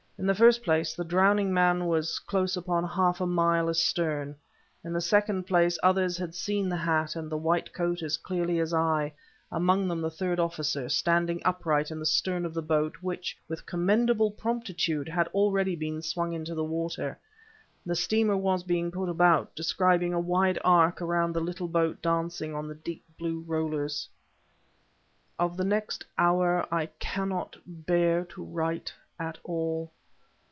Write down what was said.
In the first place, the drowning man was close upon half a mile astern; in the second place, others had seen the hat and the white coat as clearly as I; among them the third officer, standing upright in the stern of the boat which, with commendable promptitude had already been swung into the water. The steamer was being put about, describing a wide arc around the little boat dancing on the deep blue rollers.... Of the next hour, I cannot bear to write at all.